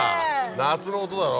夏の音だろ？